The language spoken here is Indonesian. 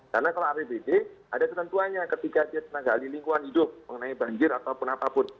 karena kalau apbd ada ketentuanya ketika dia tenaga alilingkuhan hidup mengenai banjir ataupun apapun